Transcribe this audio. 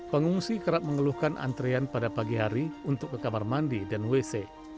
pengungsi kerap mengeluhkan antrian pada pagi hari untuk ke kamar mandi dan wc